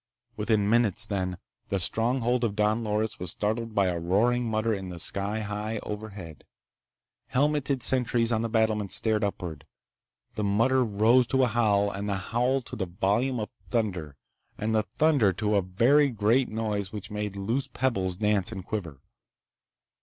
Within minutes, then, the stronghold of Don Loris was startled by a roaring mutter in the sky high overhead. Helmeted sentries on the battlements stared upward. The mutter rose to a howl, and the howl to the volume of thunder, and the thunder to a very great noise which made loose pebbles dance and quiver.